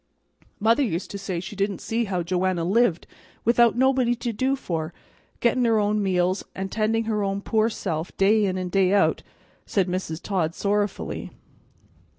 "Mother used to say she didn't see how Joanna lived without having nobody to do for, getting her own meals and tending her own poor self day in an' day out," said Mrs. Todd sorrowfully.